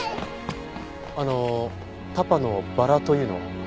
あのパパのバラというのは？